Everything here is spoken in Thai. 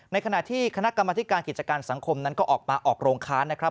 ในขณะที่คณะกรรมธิการกิจการสังคมนั้นก็ออกมาออกโรงค้านนะครับ